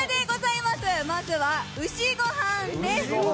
まずはうしごはんです。